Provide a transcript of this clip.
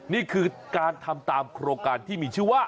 นี่คือการทำตามโครงการที่มีชื่อว่า